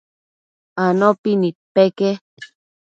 Anopi nidpeque